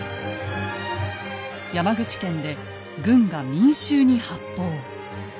山口県で軍が民衆に発砲。